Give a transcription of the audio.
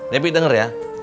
debi denger ya